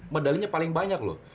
medalinya paling banyak loh